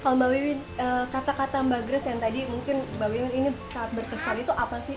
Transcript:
kalau mbak wiwi kata kata mbak grace yang tadi mungkin mbak wiwi ini sangat berkesan itu apa sih